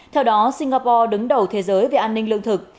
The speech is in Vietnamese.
theo đó singapore đứng đầu thế giới về an ninh lương thực